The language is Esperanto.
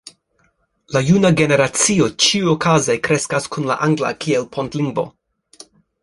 la juna generacio ĉiuokaze kreskas kun la angla kiel pontlingvo.